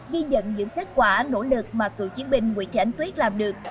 ghi nhận những kết quả nỗ lực mà cựu chiến binh nguyễn thị ánh tuyết làm được